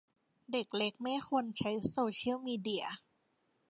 เด็กเล็กไม่ควรใช้โซเชียลมีเดีย